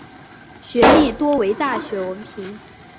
学历多为大学文凭。